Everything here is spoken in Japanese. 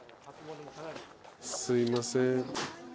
すいません。